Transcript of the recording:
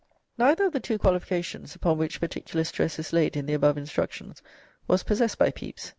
Neither of the two qualifications upon which particular stress is laid in the above Instructions was possessed by Pepys.